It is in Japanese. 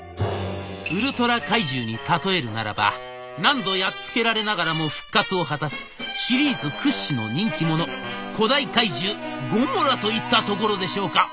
ウルトラ怪獣に例えるならば何度やっつけられながらも復活を果たすシリーズ屈指の人気者古代怪獣ゴモラといったところでしょうか。